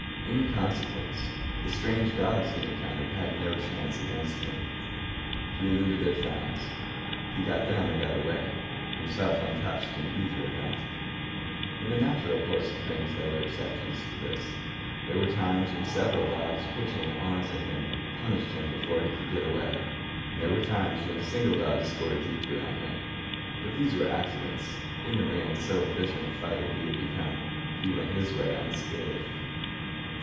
In consequence, the strange dogs he encountered had no chance against him. He eluded their fangs. He got them, or got away, himself untouched in either event. In the natural course of things there were exceptions to this. There were times when several dogs, pitching on to him, punished him before he could get away; and there were times when a single dog scored deeply on him. But these were accidents. In the main, so efficient a fighter had he become, he went his way unscathed.